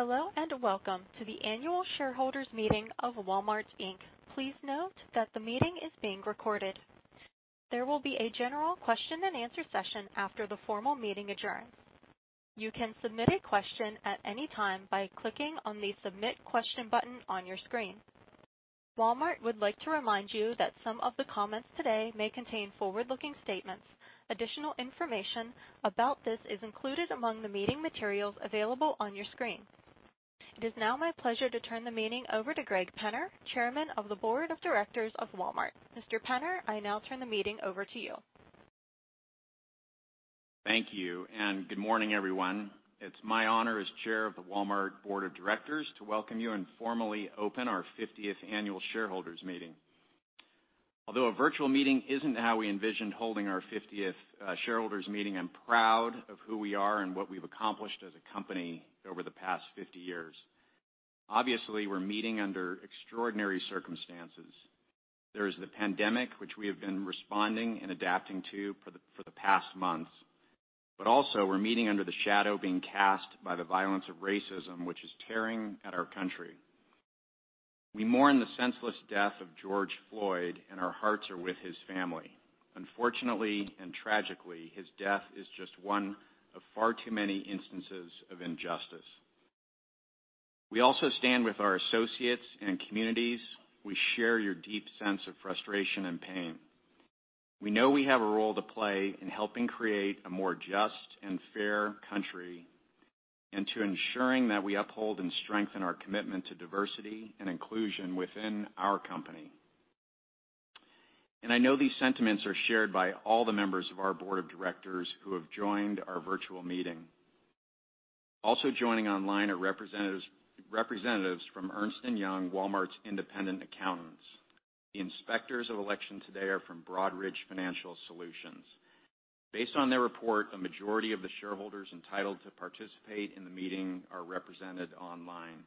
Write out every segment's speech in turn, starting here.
Hello, and welcome to the annual shareholders' meeting of Walmart Inc. Please note that the meeting is being recorded. There will be a general question and answer session after the formal meeting adjourns. You can submit a question at any time by clicking on the Submit Question button on your screen. Walmart would like to remind you that some of the comments today may contain forward-looking statements. Additional information about this is included among the meeting materials available on your screen. It is now my pleasure to turn the meeting over to Greg Penner, Chairman of the Board of Directors of Walmart. Mr. Penner, I now turn the meeting over to you. Thank you, good morning, everyone. It's my honor as Chair of the Walmart Board of Directors to welcome you and formally open our 50th annual shareholders meeting. Although a virtual meeting isn't how we envisioned holding our 50th shareholders meeting, I'm proud of who we are and what we've accomplished as a company over the past 50 years. Obviously, we're meeting under extraordinary circumstances. There is the pandemic, which we have been responding and adapting to for the past months. Also we're meeting under the shadow being cast by the violence of racism, which is tearing at our country. We mourn the senseless death of George Floyd, and our hearts are with his family. Unfortunately, and tragically, his death is just one of far too many instances of injustice. We also stand with our associates and communities. We share your deep sense of frustration and pain. I know these sentiments are shared by all the members of our board of directors who have joined our virtual meeting. Also joining online are representatives from Ernst & Young, Walmart's independent accountants. The inspectors of election today are from Broadridge Financial Solutions. Based on their report, a majority of the shareholders entitled to participate in the meeting are represented online.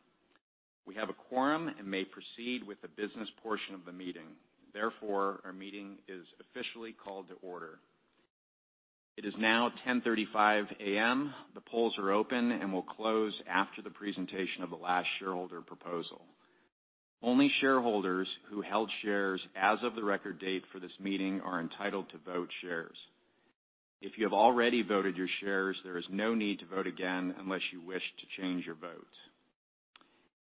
We have a quorum and may proceed with the business portion of the meeting. Therefore, our meeting is officially called to order. It is now 10:35 A.M. The polls are open and will close after the presentation of the last shareholder proposal. Only shareholders who held shares as of the record date for this meeting are entitled to vote shares. If you have already voted your shares, there is no need to vote again unless you wish to change your vote.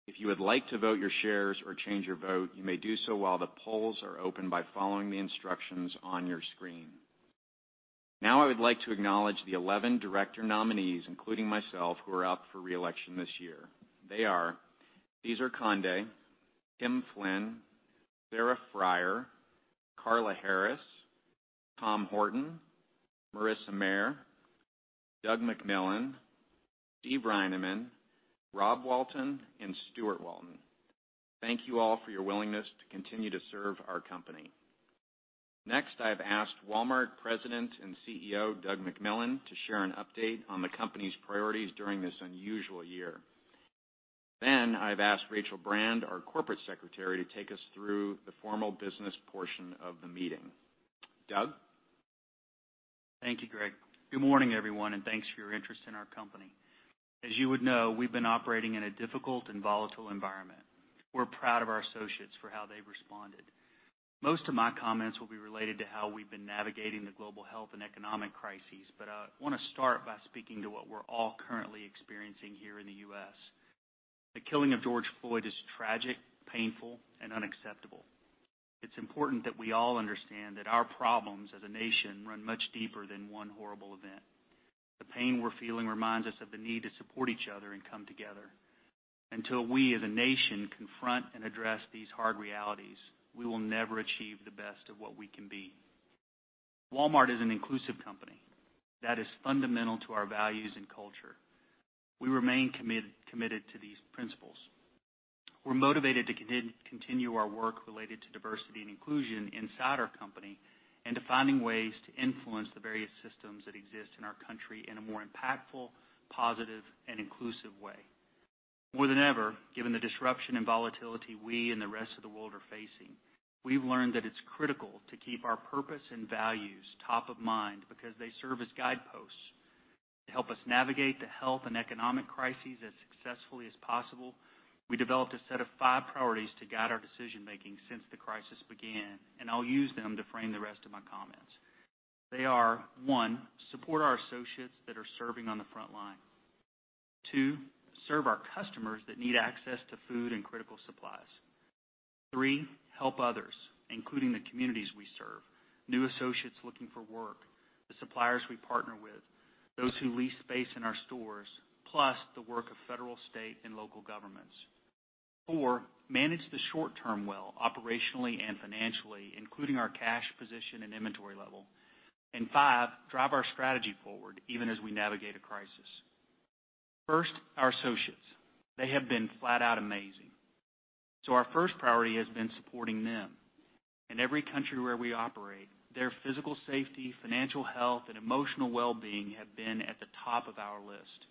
If you would like to vote your shares or change your vote, you may do so while the polls are open by following the instructions on your screen. I would like to acknowledge the 11 director nominees, including myself, who are up for re-election this year. They are: Cesar Conde, Tim Flynn, Sarah Friar, Carla Harris, Tom Horton, Marissa Mayer, Doug McMillon, Steve Reinemund, Rob Walton, and Steuart Walton. Thank you all for your willingness to continue to serve our company. I have asked Walmart President and CEO, Doug McMillon, to share an update on the company's priorities during this unusual year. I've asked Rachel Brand, our Corporate Secretary, to take us through the formal business portion of the meeting. Doug? Thank you, Greg. Good morning, everyone, and thanks for your interest in our company. As you would know, we've been operating in a difficult and volatile environment. We're proud of our associates for how they've responded. Most of my comments will be related to how we've been navigating the global health and economic crises, but I want to start by speaking to what we're all currently experiencing here in the U.S. The killing of George Floyd is tragic, painful, and unacceptable. It's important that we all understand that our problems as a nation run much deeper than one horrible event. The pain we're feeling reminds us of the need to support each other and come together. Until we as a nation confront and address these hard realities, we will never achieve the best of what we can be. Walmart is an inclusive company. That is fundamental to our values and culture. We remain committed to these principles. We're motivated to continue our work related to diversity and inclusion inside our company and to finding ways to influence the various systems that exist in our country in a more impactful, positive, and inclusive way. More than ever, given the disruption and volatility we and the rest of the world are facing, we've learned that it's critical to keep our purpose and values top of mind because they serve as guideposts. To help us navigate the health and economic crises as successfully as possible, we developed a set of five priorities to guide our decision-making since the crisis began, and I'll use them to frame the rest of my comments. They are, One, support our associates that are serving on the front line. Two, serve our customers that need access to food and critical supplies. Three, help others, including the communities we serve, new associates looking for work, the suppliers we partner with, those who lease space in our stores, plus the work of federal, state, and local governments. Four, manage the short term well, operationally and financially, including our cash position and inventory level. Five, drive our strategy forward, even as we navigate a crisis. First, our associates. They have been flat out amazing. Our first priority has been supporting them. In every country where we operate, their physical safety, financial health, and emotional wellbeing have been at the top of our list.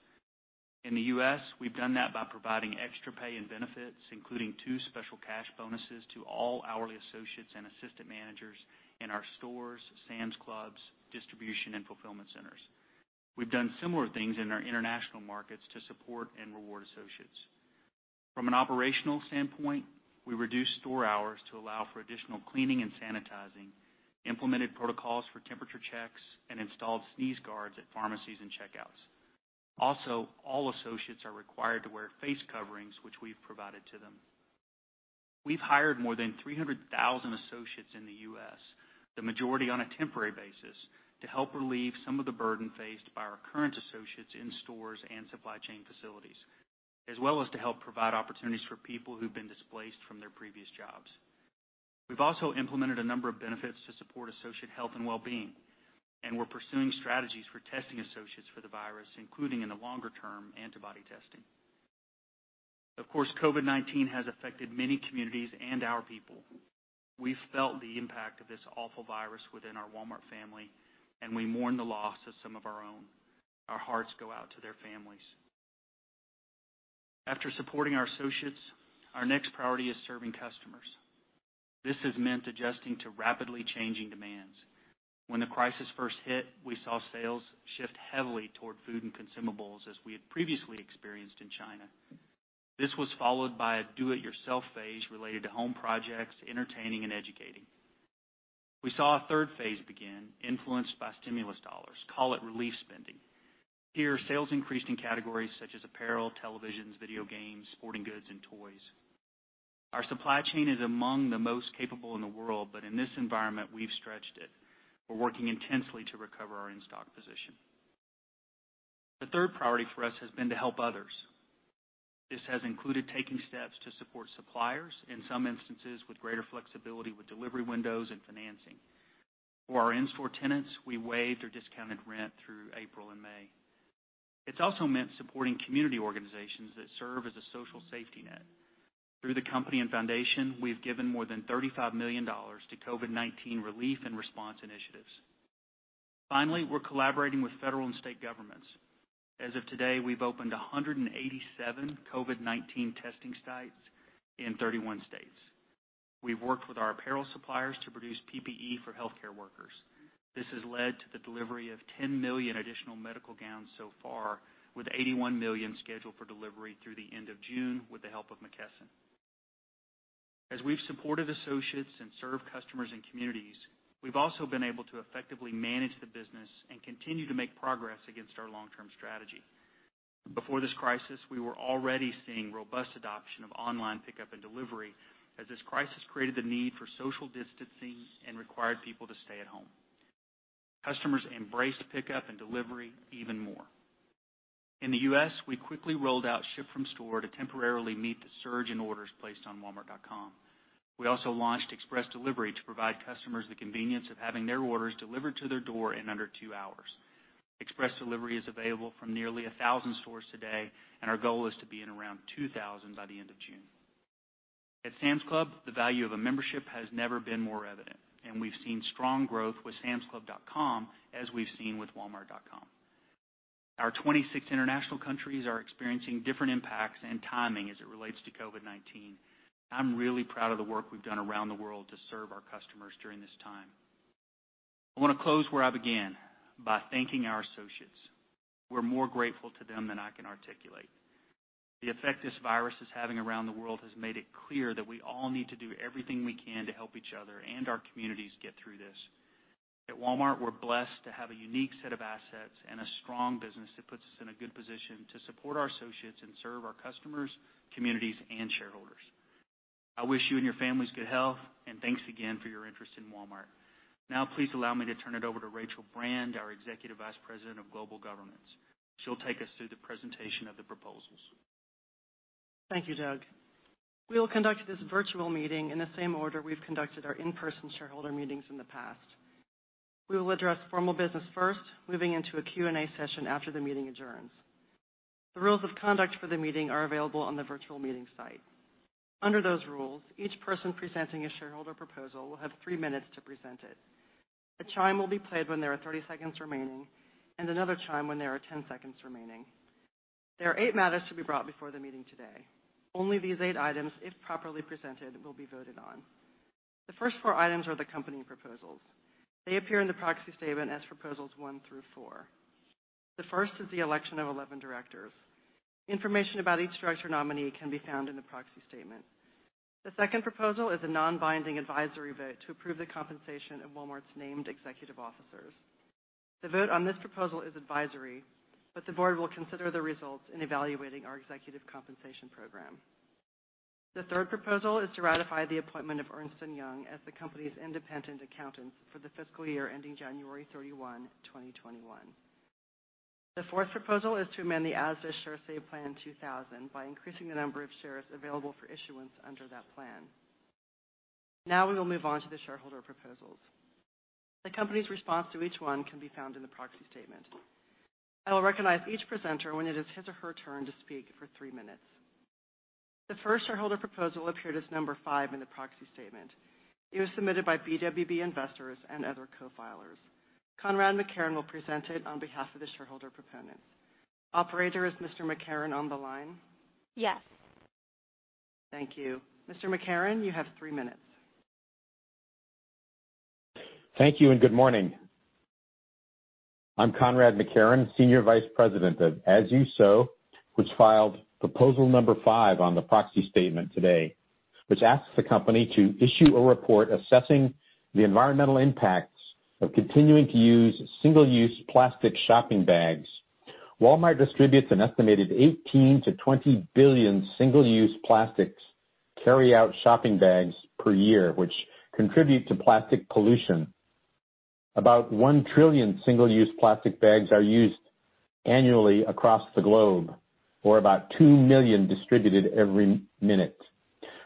In the U.S., we've done that by providing extra pay and benefits, including two special cash bonuses to all hourly associates and assistant managers in our stores, Sam's Clubs, distribution, and fulfillment centers. We've done similar things in our international markets to support and reward associates. From an operational standpoint, we reduced store hours to allow for additional cleaning and sanitizing, implemented protocols for temperature checks, and installed sneeze guards at pharmacies and checkouts. Also, all associates are required to wear face coverings, which we've provided to them. We've hired more than 300,000 associates in the U.S., the majority on a temporary basis, to help relieve some of the burden faced by our current associates in stores and supply chain facilities, as well as to help provide opportunities for people who've been displaced from their previous jobs. We've also implemented a number of benefits to support associate health and wellbeing, and we're pursuing strategies for testing associates for the virus, including, in the longer term, antibody testing. Of course, COVID-19 has affected many communities and our people. We've felt the impact of this awful virus within our Walmart family, and we mourn the loss of some of our own. Our hearts go out to their families. After supporting our associates, our next priority is serving customers. This has meant adjusting to rapidly changing demands. When the crisis first hit, we saw sales shift heavily toward food and consumables as we had previously experienced in China. This was followed by a do-it-yourself phase related to home projects, entertaining, and educating. We saw a third phase begin, influenced by stimulus dollars. Call it relief spending. Here, sales increased in categories such as apparel, televisions, video games, sporting goods, and toys. Our supply chain is among the most capable in the world, but in this environment, we've stretched it. We're working intensely to recover our in-stock position. The third priority for us has been to help others. This has included taking steps to support suppliers, in some instances with greater flexibility with delivery windows and financing. For our in-store tenants, we waived or discounted rent through April and May. It's also meant supporting community organizations that serve as a social safety net. Through the company and foundation, we've given more than $35 million to COVID-19 relief and response initiatives. Finally, we're collaborating with federal and state governments. As of today, we've opened 187 COVID-19 testing sites in 31 states. We've worked with our apparel suppliers to produce PPE for healthcare workers. This has led to the delivery of 10 million additional medical gowns so far, with 81 million scheduled for delivery through the end of June with the help of McKesson. As we've supported associates and served customers and communities, we've also been able to effectively manage the business and continue to make progress against our long-term strategy. Before this crisis, we were already seeing robust adoption of online pickup and delivery, as this crisis created the need for social distancing and required people to stay at home. Customers embraced pickup and delivery even more. In the U.S., we quickly rolled out Ship from Store to temporarily meet the surge in orders placed on walmart.com. We also launched Express Delivery to provide customers the convenience of having their orders delivered to their door in under two hours. Express Delivery is available from nearly 1,000 stores today, and our goal is to be in around 2,000 by the end of June. At Sam's Club, the value of a membership has never been more evident, and we've seen strong growth with samsclub.com as we've seen with walmart.com. Our 26 international countries are experiencing different impacts and timing as it relates to COVID-19. I'm really proud of the work we've done around the world to serve our customers during this time. I want to close where I began, by thanking our associates. We're more grateful to them than I can articulate. The effect this virus is having around the world has made it clear that we all need to do everything we can to help each other and our communities get through this. At Walmart, we're blessed to have a unique set of assets and a strong business that puts us in a good position to support our associates and serve our customers, communities, and shareholders. I wish you and your families good health. Thanks again for your interest in Walmart. Please allow me to turn it over to Rachel Brand, our Executive Vice President of Global Governance. She'll take us through the presentation of the proposals. Thank you, Doug. We will conduct this virtual meeting in the same order we've conducted our in-person shareholder meetings in the past. We will address formal business first, moving into a Q&A session after the meeting adjourns. The rules of conduct for the meeting are available on the virtual meeting site. Under those rules, each person presenting a shareholder proposal will have three minutes to present it. A chime will be played when there are 30 seconds remaining, and another chime when there are 10 seconds remaining. There are eight matters to be brought before the meeting today. Only these eight items, if properly presented, will be voted on. The first four items are the company proposals. They appear in the proxy statement as proposals one through four. The first is the election of 11 directors. Information about each director nominee can be found in the proxy statement. The second proposal is a non-binding advisory vote to approve the compensation of Walmart's named executive officers. The vote on this proposal is advisory, but the board will consider the results in evaluating our executive compensation program. The third proposal is to ratify the appointment of Ernst & Young as the company's independent accountants for the fiscal year ending January 31, 2021. The fourth proposal is to amend the ASDA Sharesave Plan 2000 by increasing the number of shares available for issuance under that plan. Now we will move on to the shareholder proposals. The company's response to each one can be found in the proxy statement. I will recognize each presenter when it is his or her turn to speak for three minutes. The first shareholder proposal appeared as number five in the proxy statement. It was submitted by BWB Investors and other co-filers. Conrad MacKerron will present it on behalf of the shareholder proponents. Operator, is Mr. MacKerron on the line? Yes. Thank you. Mr. MacKerron, you have three minutes. Thank you, and good morning. I'm Conrad MacKerron, Senior Vice President of As You Sow, which filed proposal number five on the proxy statement today, which asks the company to issue a report assessing the environmental impacts of continuing to use single-use plastic shopping bags. Walmart distributes an estimated 18 billion-20 billion single-use plastics carryout shopping bags per year, which contribute to plastic pollution. About one trillion single-use plastic bags are used annually across the globe, or about two million distributed every minute.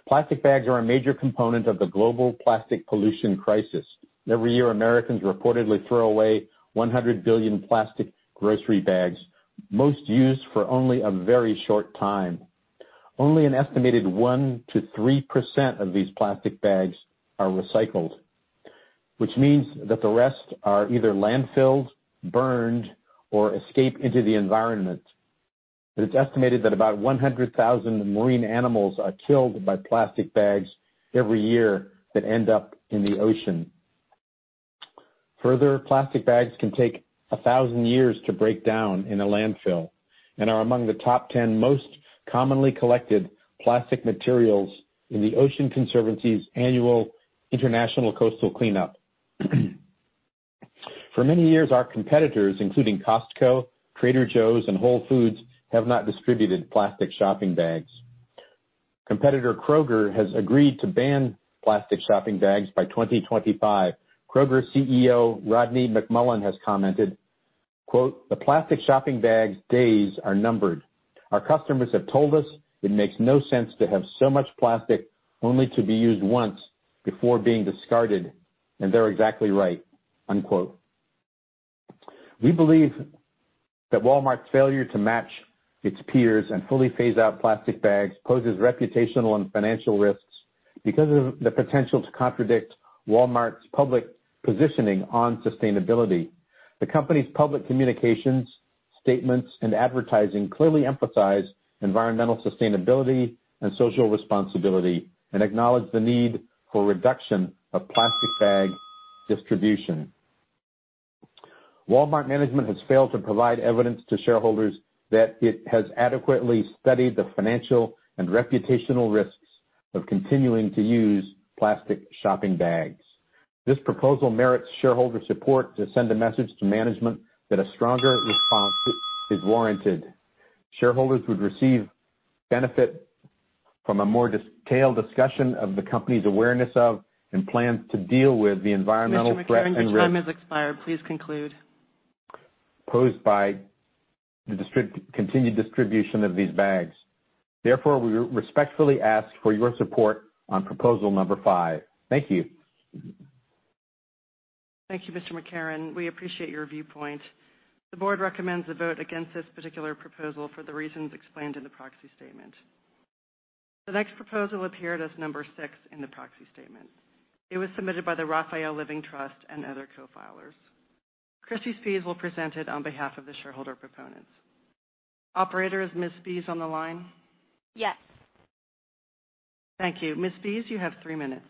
Plastic bags are a major component of the global plastic pollution crisis. Every year, Americans reportedly throw away 100 billion plastic grocery bags, most used for only a very short time. Only an estimated 1%-3% of these plastic bags are recycled, which means that the rest are either landfilled, burned, or escape into the environment. It's estimated that about 100,000 marine animals are killed by plastic bags every year that end up in the ocean. Further, plastic bags can take 1,000 years to break down in a landfill and are among the top 10 most commonly collected plastic materials in the Ocean Conservancy's annual International Coastal Cleanup. For many years, our competitors, including Costco, Trader Joe's, and Whole Foods, have not distributed plastic shopping bags. Competitor Kroger has agreed to ban plastic shopping bags by 2025. Kroger CEO Rodney McMullen has commented, quote, "The plastic shopping bags' days are numbered. Our customers have told us it makes no sense to have so much plastic only to be used once before being discarded, and they're exactly right." Unquote. We believe that Walmart's failure to match its peers and fully phase out plastic bags poses reputational and financial risks because of the potential to contradict Walmart's public positioning on sustainability. The company's public communications, statements, and advertising clearly emphasize environmental sustainability and social responsibility and acknowledge the need for a reduction of plastic bag distribution. Walmart management has failed to provide evidence to shareholders that it has adequately studied the financial and reputational risks of continuing to use plastic shopping bags. This proposal merits shareholder support to send a message to management that a stronger response is warranted. Shareholders would receive benefit from a more detailed discussion of the company's awareness of and plans to deal with the environmental threat and risk. Mr. MacKerron, your time has expired. Please conclude. posed by the continued distribution of these bags. Therefore, we respectfully ask for your support on proposal number five. Thank you. Thank you, Mr. MacKerron. We appreciate your viewpoint. The board recommends a vote against this particular proposal for the reasons explained in the proxy statement. The next proposal appeared as number six in the proxy statement. It was submitted by the Raphael Living Trust and other co-filers. Christy Spees will present it on behalf of the shareholder proponents. Operator, is Ms. Spees on the line? Yes. Thank you. Ms. Spees, you have three minutes.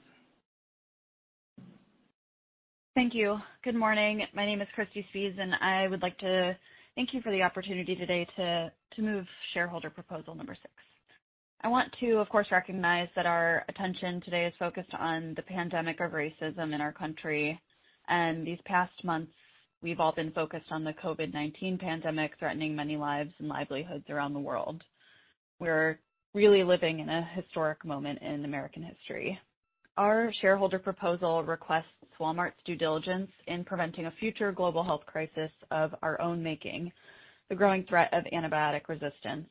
Thank you. Good morning. My name is Christy Spees. I would like to thank you for the opportunity today to move shareholder proposal number six. I want to, of course, recognize that our attention today is focused on the pandemic of racism in our country. These past months, we've all been focused on the COVID-19 pandemic threatening many lives and livelihoods around the world. We're really living in a historic moment in American history. Our shareholder proposal requests Walmart's due diligence in preventing a future global health crisis of our own making, the growing threat of antibiotic resistance.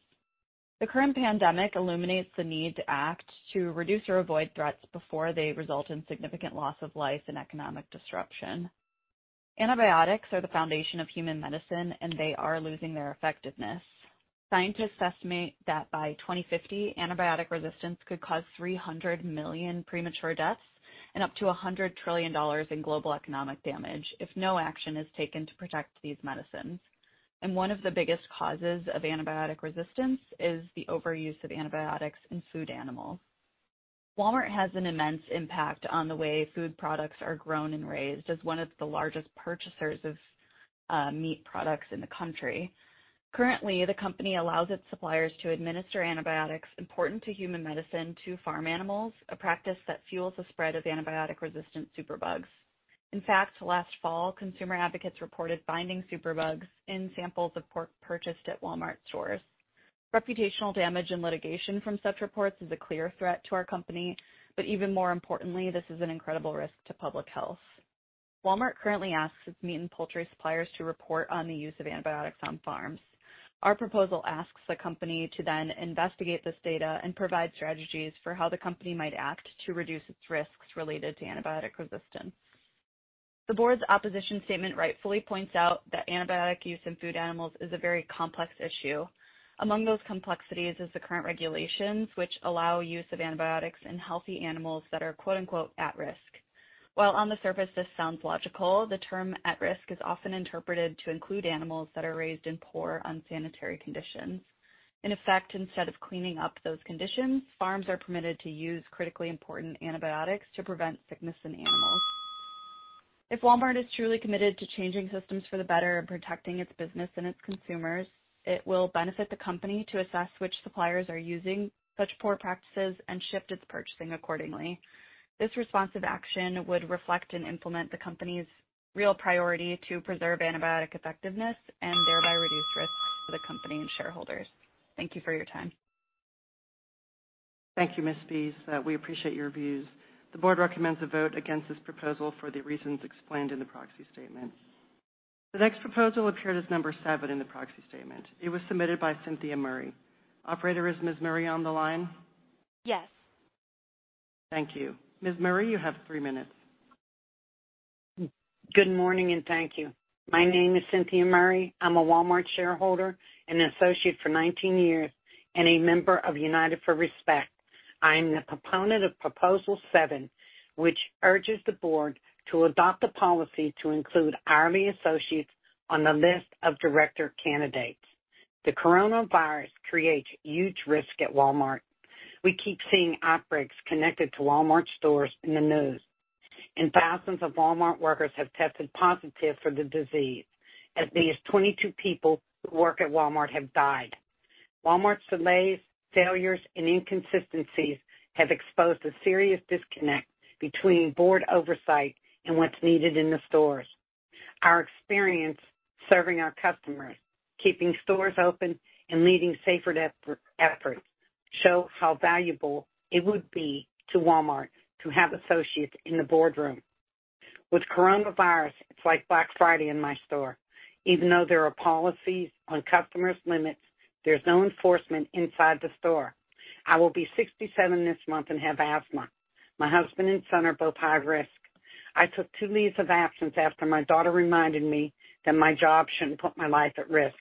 The current pandemic illuminates the need to act to reduce or avoid threats before they result in significant loss of life and economic disruption. Antibiotics are the foundation of human medicine. They are losing their effectiveness. Scientists estimate that by 2050, antibiotic resistance could cause 300 million premature deaths and up to $100 trillion in global economic damage if no action is taken to protect these medicines. One of the biggest causes of antibiotic resistance is the overuse of antibiotics in food animals. Walmart has an immense impact on the way food products are grown and raised, as one of the largest purchasers of meat products in the country. Currently, the company allows its suppliers to administer antibiotics important to human medicine to farm animals, a practice that fuels the spread of antibiotic-resistant superbugs. In fact, last fall, consumer advocates reported finding superbugs in samples of pork purchased at Walmart stores. Reputational damage and litigation from such reports is a clear threat to our company, even more importantly, this is an incredible risk to public health. Walmart currently asks its meat and poultry suppliers to report on the use of antibiotics on farms. Our proposal asks the company to then investigate this data and provide strategies for how the company might act to reduce its risks related to antibiotic resistance. The board's opposition statement rightfully points out that antibiotic use in food animals is a very complex issue. Among those complexities is the current regulations, which allow use of antibiotics in healthy animals that are, quote, unquote, "at risk." While on the surface this sounds logical, the term at risk is often interpreted to include animals that are raised in poor, unsanitary conditions. In effect, instead of cleaning up those conditions, farms are permitted to use critically important antibiotics to prevent sickness in animals. If Walmart is truly committed to changing systems for the better and protecting its business and its consumers, it will benefit the company to assess which suppliers are using such poor practices and shift its purchasing accordingly. This responsive action would reflect and implement the company's real priority to preserve antibiotic effectiveness and thereby reduce risks to the company and shareholders. Thank you for your time. Thank you, Ms. Spees. We appreciate your views. The board recommends a vote against this proposal for the reasons explained in the proxy statement. The next proposal appeared as number seven in the proxy statement. It was submitted by Cynthia Murray. Operator, is Ms. Murray on the line? Yes. Thank you. Ms. Murray, you have three minutes. Good morning, and thank you. My name is Cynthia Murray. I am a Walmart shareholder, an associate for 19 years, and a member of United for Respect. I am the proponent of proposal seven, which urges the board to adopt a policy to include hourly associates on the list of director candidates. The coronavirus creates huge risk at Walmart. We keep seeing outbreaks connected to Walmart stores in the news, and thousands of Walmart workers have tested positive for the disease. At least 22 people who work at Walmart have died. Walmart's delays, failures, and inconsistencies have exposed a serious disconnect between board oversight and what is needed in the stores. Our experience serving our customers, keeping stores open, and leading safer efforts show how valuable it would be to Walmart to have associates in the boardroom. With coronavirus, it is like Black Friday in my store. Even though there are policies on customers limits, there's no enforcement inside the store. I will be 67 this month and have asthma. My husband and son are both high risk. I took two leaves of absence after my daughter reminded me that my job shouldn't put my life at risk.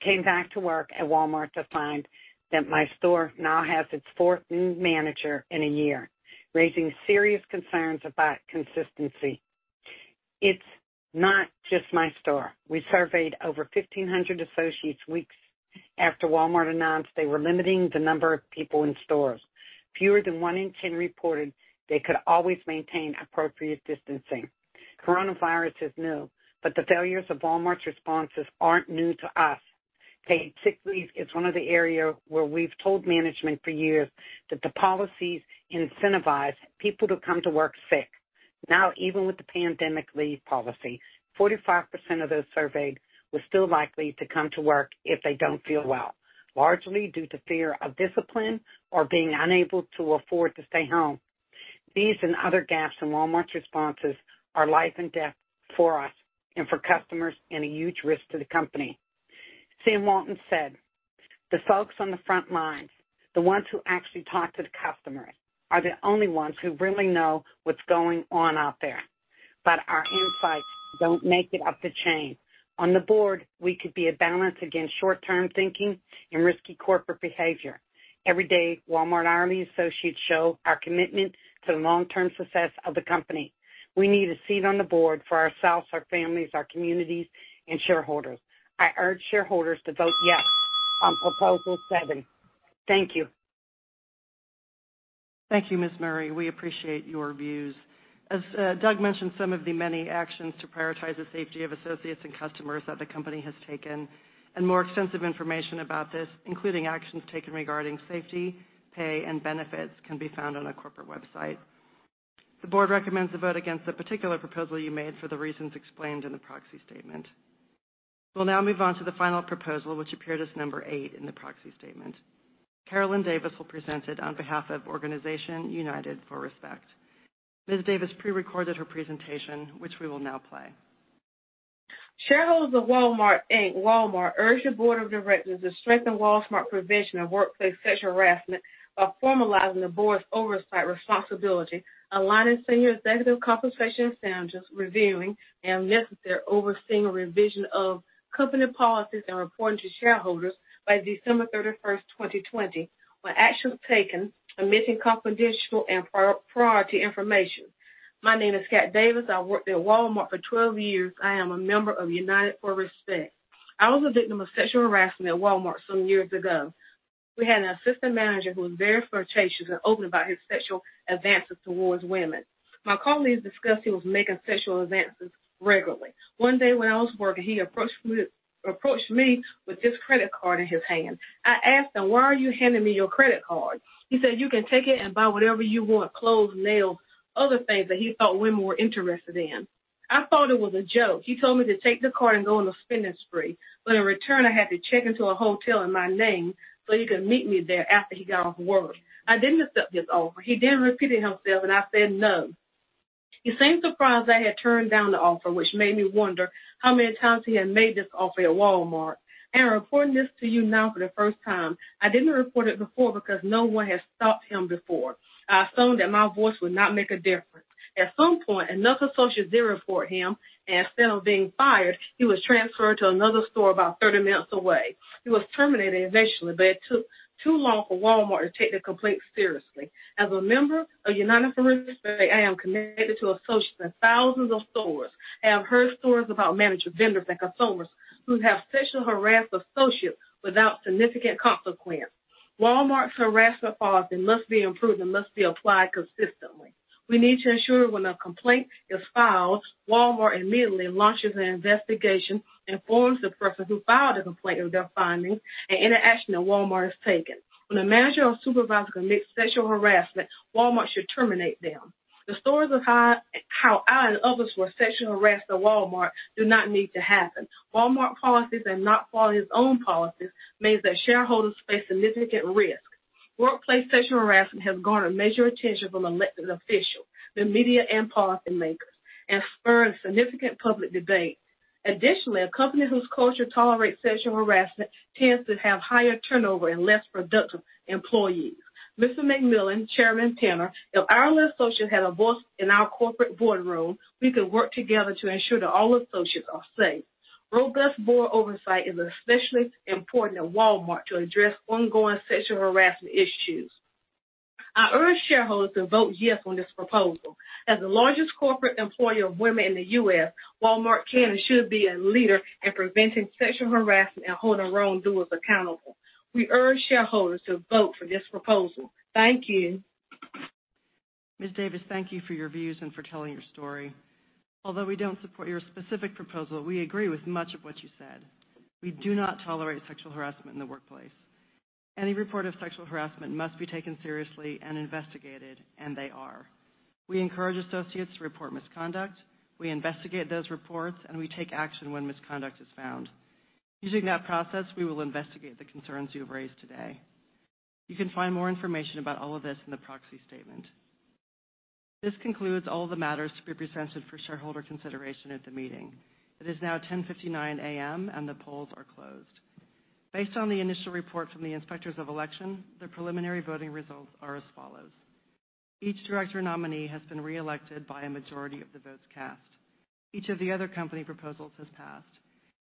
I came back to work at Walmart to find that my store now has its fourth new manager in a year, raising serious concerns about consistency. It's not just my store. We surveyed over 1,500 associates weeks after Walmart announced they were limiting the number of people in stores. Fewer than one in 10 reported they could always maintain appropriate distancing. COVID-19 is new, but the failures of Walmart's responses aren't new to us. Paid sick leave is one of the areas where we've told management for years that the policies incentivize people to come to work sick. Even with the pandemic leave policy, 45% of those surveyed were still likely to come to work if they don't feel well, largely due to fear of discipline or being unable to afford to stay home. These and other gaps in Walmart's responses are life and death for us and for customers and a huge risk to the company. Sam Walton said, "The folks on the front lines, the ones who actually talk to the customers, are the only ones who really know what's going on out there." Our insights don't make it up the chain. On the board, we could be a balance against short-term thinking and risky corporate behavior. Every day, Walmart hourly associates show our commitment to the long-term success of the company. We need a seat on the board for ourselves, our families, our communities, and shareholders. I urge shareholders to vote yes on proposal seven. Thank you. Thank you, Ms. Murray. We appreciate your views. As Doug mentioned, some of the many actions to prioritize the safety of associates and customers that the company has taken, and more extensive information about this, including actions taken regarding safety, pay, and benefits, can be found on our corporate website. The board recommends a vote against the particular proposal you made for the reasons explained in the proxy statement. We'll now move on to the final proposal, which appeared as number eight in the proxy statement. Carolyn Davis will present it on behalf of organization United for Respect. Ms. Davis pre-recorded her presentation, which we will now play. Shareholders of Walmart Inc., Walmart urge the Board of Directors to strengthen Walmart prevention of workplace sexual harassment by formalizing the Board's oversight responsibility, aligning senior executive compensation and incentives, reviewing, and if necessary, overseeing a revision of company policies and reporting to shareholders by December 31st, 2020 on actions taken, omitting confidential and priority information. My name is Cat Davis. I worked at Walmart for 12 years. I am a member of United for Respect. I was a victim of sexual harassment at Walmart some years ago. We had an assistant manager who was very flirtatious and open about his sexual advances towards women. My colleagues discussed he was making sexual advances regularly. One day when I was working, he approached me with this credit card in his hand. I asked him, "Why are you handing me your credit card?" He said, "You can take it and buy whatever you want, clothes, nails, other things" that he thought women were interested in. I thought it was a joke. He told me to take the card and go on a spending spree, but in return, I had to check into a hotel in my name so he could meet me there after he got off work. I didn't accept this offer. He repeated himself, and I said, "No." He seemed surprised I had turned down the offer, which made me wonder how many times he had made this offer at Walmart. I'm reporting this to you now for the first time. I didn't report it before because no one has stopped him before. I assumed that my voice would not make a difference. At some point, another associate did report him, and instead of being fired, he was transferred to another store about 30 minutes away. He was terminated eventually, but it took too long for Walmart to take the complaint seriously. As a member of United for Respect, I am connected to associates in thousands of stores and have heard stories about managers, vendors, and customers who have sexually harassed associates without significant consequence. Walmart's harassment policy must be improved and must be applied consistently. We need to ensure when a complaint is filed, Walmart immediately launches an investigation, informs the person who filed the complaint of their findings, and any action that Walmart has taken. When a manager or supervisor commits sexual harassment, Walmart should terminate them. The stories of how I and others were sexually harassed at Walmart do not need to happen. Walmart policies are not following its own policies means that shareholders face significant risk. Workplace sexual harassment has garnered major attention from elected officials, the media, and policymakers, and spurred significant public debate. Additionally, a company whose culture tolerates sexual harassment tends to have higher turnover and less productive employees. Mr. McMillon, Chairman Penner, if our associates had a voice in our corporate boardroom, we could work together to ensure that all associates are safe. Robust board oversight is especially important at Walmart to address ongoing sexual harassment issues. I urge shareholders to vote yes on this proposal. As the largest corporate employer of women in the U.S., Walmart can and should be a leader in preventing sexual harassment and holding wrongdoers accountable. We urge shareholders to vote for this proposal. Thank you. Ms. Davis, thank you for your views and for telling your story. Although we don't support your specific proposal, we agree with much of what you said. We do not tolerate sexual harassment in the workplace. Any report of sexual harassment must be taken seriously and investigated, and they are. We encourage associates to report misconduct, we investigate those reports, and we take action when misconduct is found. Using that process, we will investigate the concerns you have raised today. You can find more information about all of this in the proxy statement. This concludes all the matters to be presented for shareholder consideration at the meeting. It is now 10:59 A.M. and the polls are closed. Based on the initial report from the Inspectors of Election, the preliminary voting results are as follows. Each director nominee has been reelected by a majority of the votes cast. Each of the other company proposals has passed,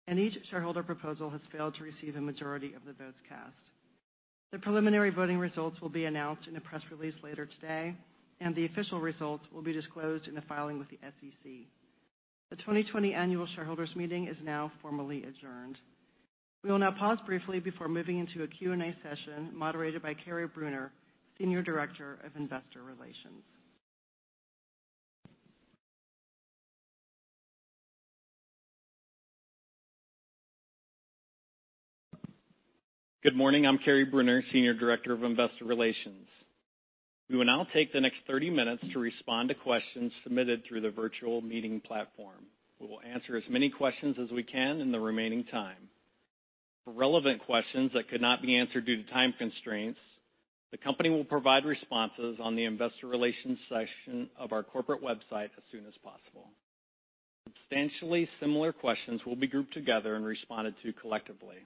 and each shareholder proposal has failed to receive a majority of the votes cast. The preliminary voting results will be announced in a press release later today, and the official results will be disclosed in a filing with the SEC. The 2020 Annual Shareholders Meeting is now formally adjourned. We will now pause briefly before moving into a Q&A session moderated by Kary Brunner, Senior Director of Investor Relations. Good morning. I'm Kary Brunner, Senior Director of Investor Relations. We will now take the next 30 minutes to respond to questions submitted through the virtual meeting platform. We will answer as many questions as we can in the remaining time. For relevant questions that could not be answered due to time constraints, the company will provide responses on the Investor Relations section of our corporate website as soon as possible. Substantially similar questions will be grouped together and responded to collectively.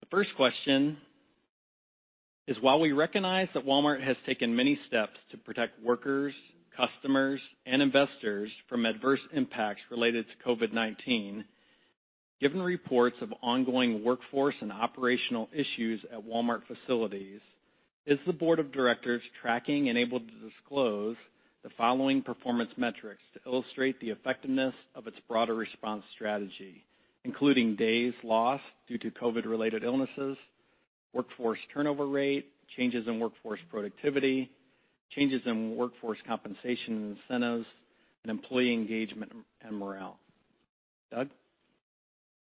The first question is, while we recognize that Walmart has taken many steps to protect workers, customers, and investors from adverse impacts related to COVID-19, given reports of ongoing workforce and operational issues at Walmart facilities, is the Board of Directors tracking and able to disclose the following performance metrics to illustrate the effectiveness of its broader response strategy, including days lost due to COVID-19 related illnesses, workforce turnover rate, changes in workforce compensation and incentives, and employee engagement and morale? Doug?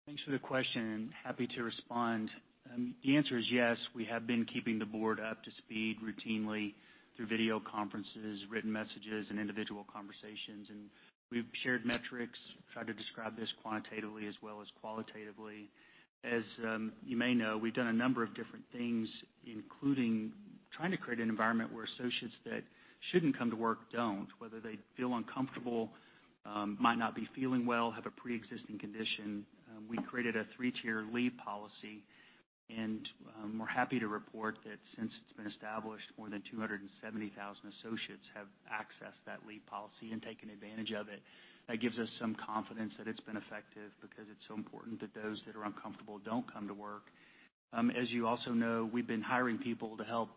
Thanks for the question, and happy to respond. The answer is yes, we have been keeping the board up to speed routinely through video conferences, written messages, and individual conversations, and we've shared metrics, tried to describe this quantitatively as well as qualitatively. As you may know, we've done a number of different things, including trying to create an environment where associates that shouldn't come to work don't, whether they feel uncomfortable, might not be feeling well, have a preexisting condition. We created a 3-tier leave policy, and we're happy to report that since it's been established, more than 270,000 associates have accessed that leave policy and taken advantage of it. That gives us some confidence that it's been effective because it's so important that those that are uncomfortable don't come to work. As you also know, we've been hiring people to help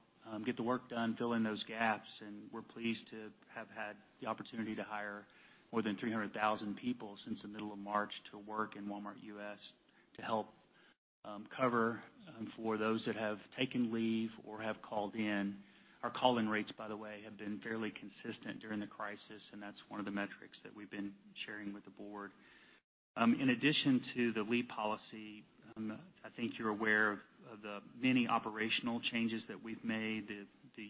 get the work done, fill in those gaps, and we're pleased to have had the opportunity to hire more than 300,000 people since the middle of March to work in Walmart U.S. to help cover for those that have taken leave or have called in. Our call in rates, by the way, have been fairly consistent during the crisis. That's one of the metrics that we've been sharing with the board. In addition to the leave policy, I think you're aware of the many operational changes that we've made, the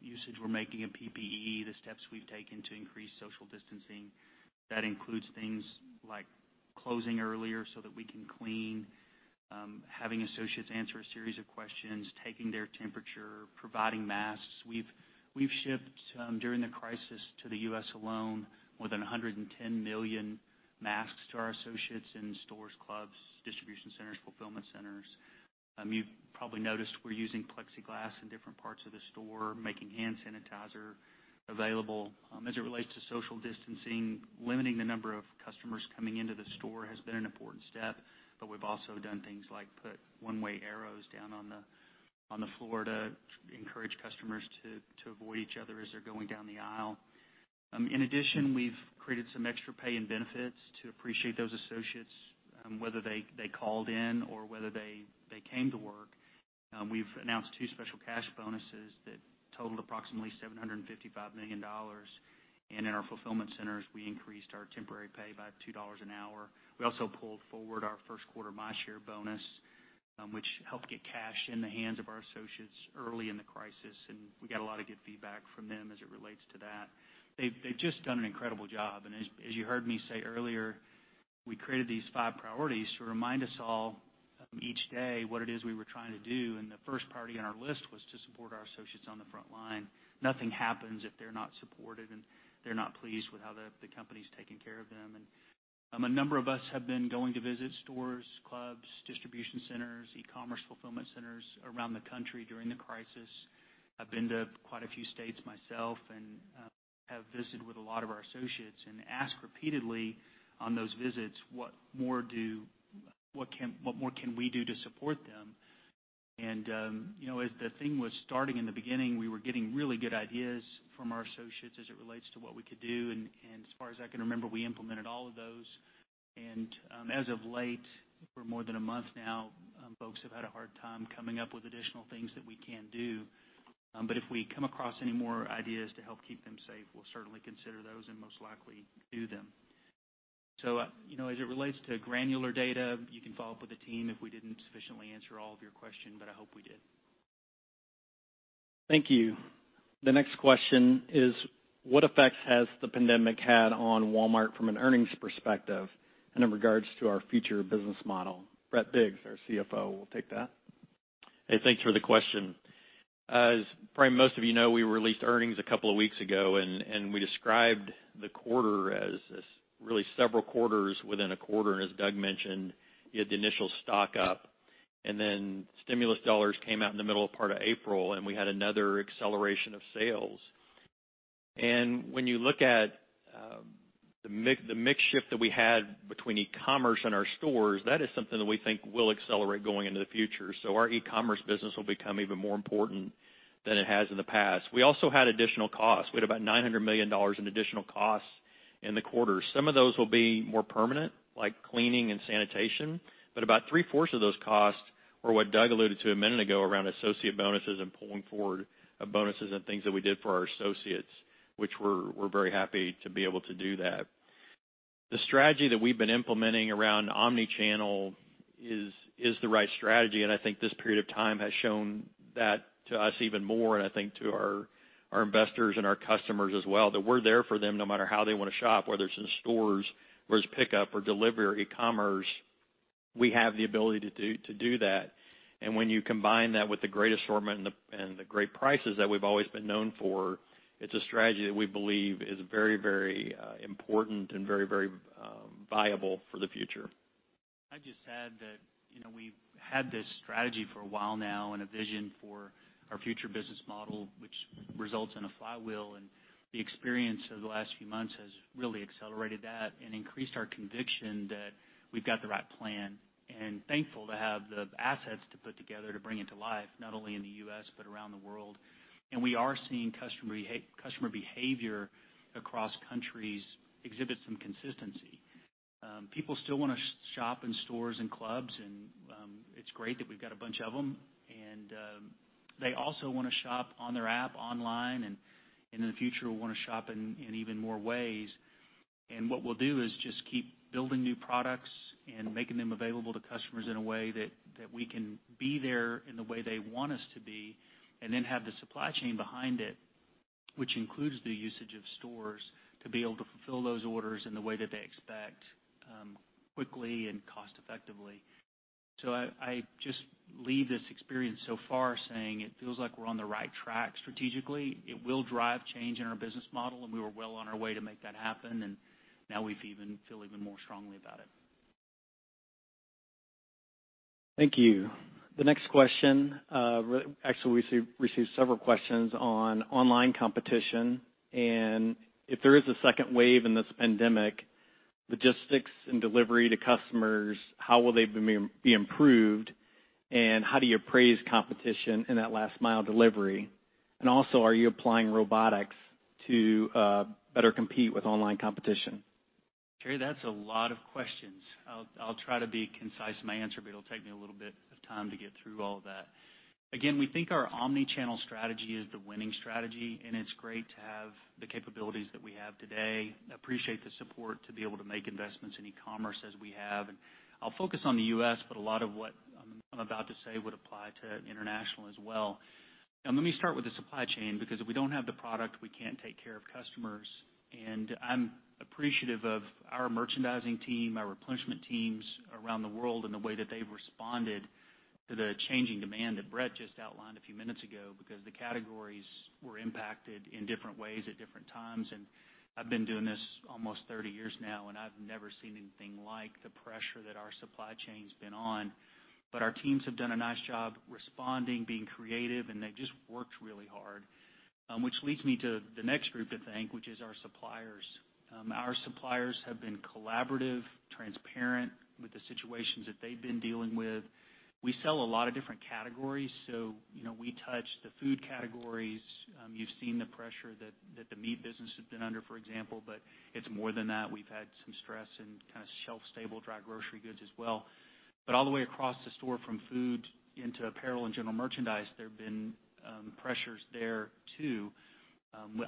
usage we're making of PPE, the steps we've taken to increase social distancing. That includes things like closing earlier so that we can clean, having associates answer a series of questions, taking their temperature, providing masks. We've shipped, during the crisis to the U.S. alone, more than 110 million masks to our associates in stores, clubs, distribution centers, fulfillment centers. You've probably noticed we're using plexiglass in different parts of the store, making hand sanitizer available. As it relates to social distancing, limiting the number of customers coming into the store has been an important step, but we've also done things like put one-way arrows down on the floor to encourage customers to avoid each other as they're going down the aisle. In addition, we've created some extra pay and benefits to appreciate those associates, whether they called in or whether they came to work. We've announced two special cash bonuses that totaled approximately $755 million. In our fulfillment centers, we increased our temporary pay by $2 an hour. We also pulled forward our first quarter MyShare bonus, which helped get cash in the hands of our associates early in the crisis. We got a lot of good feedback from them as it relates to that. They've just done an incredible job. As you heard me say earlier, we created these five priorities to remind us all each day what it is we were trying to do, and the first priority on our list was to support our associates on the front line. Nothing happens if they're not supported, and they're not pleased with how the company's taking care of them. A number of us have been going to visit stores, clubs, distribution centers, e-commerce fulfillment centers around the country during the crisis. I've been to quite a few states myself and have visited with a lot of our associates and asked repeatedly on those visits, what more can we do to support them? As the thing was starting in the beginning, we were getting really good ideas from our associates as it relates to what we could do. As far as I can remember, we implemented all of those. As of late, for more than a month now, folks have had a hard time coming up with additional things that we can do. If we come across any more ideas to help keep them safe, we'll certainly consider those and most likely do them. As it relates to granular data, you can follow up with the team if we didn't sufficiently answer all of your question, but I hope we did. Thank you. The next question is, what effects has the pandemic had on Walmart from an earnings perspective and in regards to our future business model? Brett Biggs, our CFO, will take that. Hey, thanks for the question. As probably most of you know, we released earnings a couple of weeks ago, and we described the quarter as really several quarters within a quarter, and as Doug mentioned, you had the initial stock-up, and then stimulus dollars came out in the middle part of April, and we had another acceleration of sales. When you look at the mix shift that we had between e-commerce and our stores, that is something that we think will accelerate going into the future. Our e-commerce business will become even more important than it has in the past. We also had additional costs. We had about $900 million in additional costs in the quarter. Some of those will be more permanent, like cleaning and sanitation, but about three-fourths of those costs were what Doug alluded to a minute ago around associate bonuses and pulling forward bonuses and things that we did for our associates, which we're very happy to be able to do that. The strategy that we've been implementing around omni-channel is the right strategy, and I think this period of time has shown that to us even more, and I think to our investors and our customers as well, that we're there for them no matter how they want to shop, whether it's in stores, whether it's pickup or delivery or e-commerce, we have the ability to do that. When you combine that with the great assortment and the great prices that we've always been known for, it's a strategy that we believe is very important and very viable for the future. I'd just add that we've had this strategy for a while now and a vision for our future business model, which results in a flywheel, and the experience of the last few months has really accelerated that and increased our conviction that we've got the right plan, and thankful to have the assets to put together to bring it to life, not only in the U.S. but around the world. We are seeing customer behavior across countries exhibit some consistency. People still want to shop in stores and clubs, and it's great that we've got a bunch of them. They also want to shop on their app online and in the future, will want to shop in even more ways. What we'll do is just keep building new products and making them available to customers in a way that we can be there in the way they want us to be, and then have the supply chain behind it, which includes the usage of stores, to be able to fulfill those orders in the way that they expect, quickly and cost-effectively. I just leave this experience so far saying it feels like we're on the right track strategically. It will drive change in our business model, and we were well on our way to make that happen, and now we feel even more strongly about it. Thank you. The next question. Actually, we received several questions on online competition, and if there is a second wave in this pandemic, logistics and delivery to customers, how will they be improved, and how do you appraise competition in that last mile delivery? Also, are you applying robotics to better compete with online competition? Kary, that's a lot of questions. I'll try to be concise in my answer, but it'll take me a little bit of time to get through all of that. We think our omni-channel strategy is the winning strategy, and it's great to have the capabilities that we have today. Appreciate the support to be able to make investments in e-commerce as we have. I'll focus on the U.S., but a lot of what I'm about to say would apply to international as well. Let me start with the supply chain, because if we don't have the product, we can't take care of customers. I'm appreciative of our merchandising team, our replenishment teams around the world, and the way that they've responded to the changing demand that Brett just outlined a few minutes ago, because the categories were impacted in different ways at different times. I've been doing this almost 30 years now, and I've never seen anything like the pressure that our supply chain's been on. Our teams have done a nice job responding, being creative, and they've just worked really hard. Which leads me to the next group to thank, which is our suppliers. Our suppliers have been collaborative, transparent with the situations that they've been dealing with. We sell a lot of different categories, we touch the food categories. You've seen the pressure that the meat business has been under, for example, but it's more than that. We've had some stress in kind of shelf-stable dry grocery goods as well. All the way across the store, from food into apparel and general merchandise, there have been pressures there too.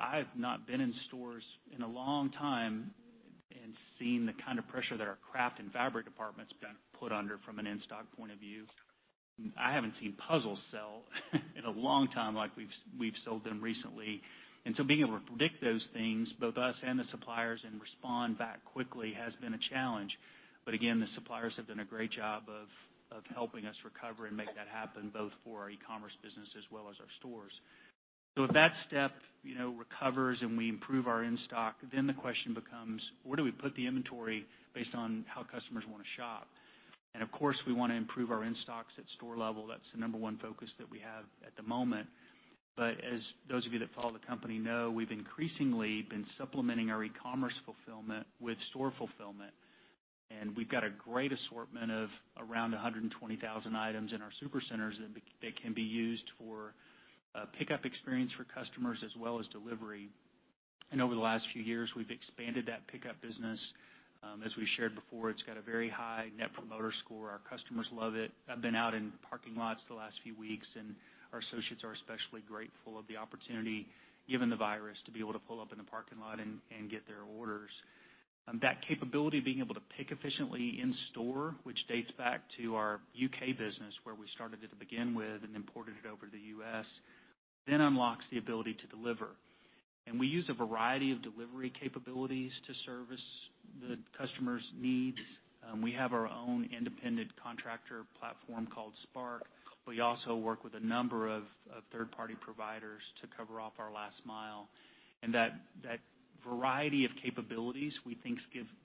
I have not been in stores in a long time and seen the kind of pressure that our craft and fabric department's been put under from an in-stock point of view. I haven't seen puzzles sell in a long time like we've sold them recently. Being able to predict those things, both us and the suppliers, and respond back quickly has been a challenge. Again, the suppliers have done a great job of helping us recover and make that happen, both for our e-commerce business as well as our stores. If that step recovers and we improve our in-stock, then the question becomes, where do we put the inventory based on how customers want to shop? Of course, we want to improve our in-stocks at store level. That's the number one focus that we have at the moment. As those of you that follow the company know, we've increasingly been supplementing our e-commerce fulfillment with store fulfillment. We've got a great assortment of around 120,000 items in our supercenters that can be used for a pickup experience for customers as well as delivery. Over the last few years, we've expanded that pickup business. As we shared before, it's got a very high net promoter score. Our customers love it. I've been out in parking lots the last few weeks, and our associates are especially grateful of the opportunity, given the virus, to be able to pull up in the parking lot and get their orders. That capability of being able to pick efficiently in store, which dates back to our U.K. business where we started it to begin with and imported it over to the U.S., then unlocks the ability to deliver. We use a variety of delivery capabilities to service the customer's needs. We have our own independent contractor platform called Spark. We also work with a number of third-party providers to cover off our last mile. That variety of capabilities, we think,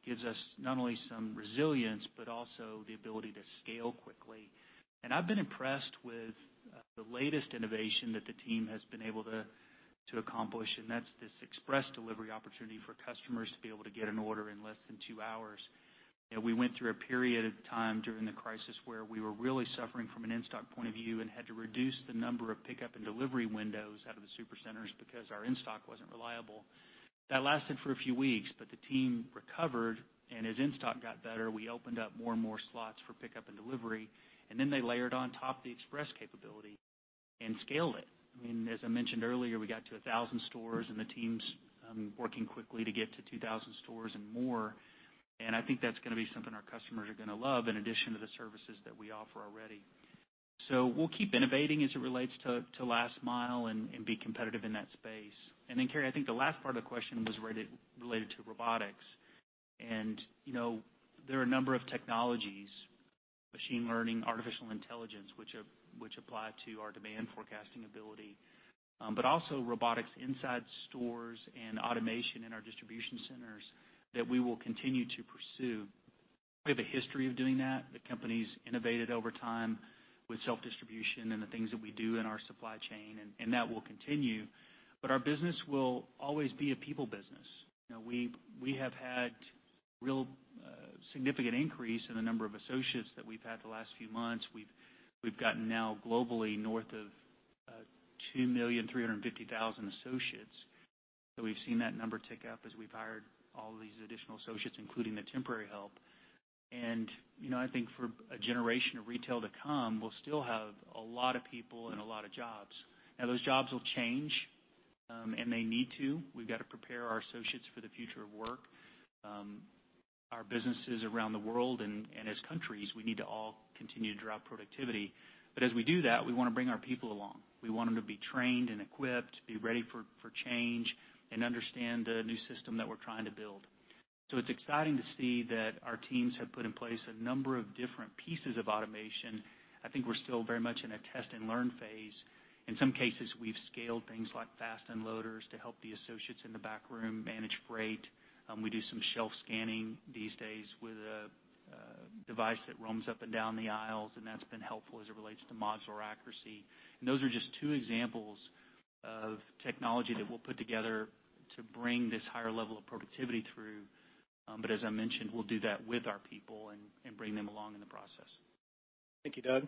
gives us not only some resilience, but also the ability to scale quickly. I've been impressed with the latest innovation that the team has been able to accomplish, and that's this Express Delivery opportunity for customers to be able to get an order in less than two hours. We went through a period of time during the crisis where we were really suffering from an in-stock point of view and had to reduce the number of pickup and delivery windows out of the supercenters because our in-stock wasn't reliable. That lasted for a few weeks, but the team recovered, and as in-stock got better, we opened up more and more slots for pickup and delivery, and then they layered on top the express capability and scaled it. As I mentioned earlier, we got to 1,000 stores, and the team's working quickly to get to 2,000 stores and more. I think that's going to be something our customers are going to love in addition to the services that we offer already. We'll keep innovating as it relates to last mile and be competitive in that space. Then, Kary, I think the last part of the question was related to robotics. There are a number of technologies, machine learning, artificial intelligence, which apply to our demand forecasting ability. Also robotics inside stores and automation in our distribution centers that we will continue to pursue. We have a history of doing that. The company's innovated over time with self-distribution and the things that we do in our supply chain, and that will continue. Our business will always be a people business. We have had real significant increase in the number of associates that we've had the last few months. We've gotten now globally north of 2,350,000 associates. We've seen that number tick up as we've hired all these additional associates, including the temporary help. I think for a generation of retail to come, we'll still have a lot of people and a lot of jobs. Now, those jobs will change, and they need to. We've got to prepare our associates for the future of work. Our businesses around the world and as countries, we need to all continue to drive productivity. As we do that, we want to bring our people along. We want them to be trained and equipped, be ready for change, and understand the new system that we're trying to build. It's exciting to see that our teams have put in place a number of different pieces of automation. I think we're still very much in a test and learn phase. In some cases, we've scaled things like fast unloaders to help the associates in the backroom manage freight. We do some shelf scanning these days with a device that roams up and down the aisles, and that's been helpful as it relates to modular accuracy. Those are just two examples of technology that we'll put together to bring this higher level of productivity through. As I mentioned, we'll do that with our people and bring them along in the process. Thank you, Doug.